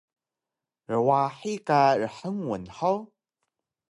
Rwahi ka rhngun hug?